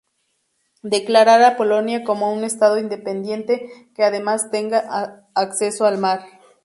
Declarar a Polonia como un estado independiente, que además tenga acceso al mar.